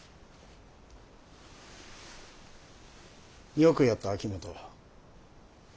よくやった秋本。